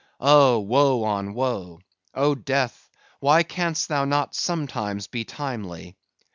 Oh, woe on woe! Oh, Death, why canst thou not sometimes be timely?